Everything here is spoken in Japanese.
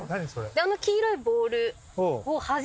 あの黄色いボールをはじいて。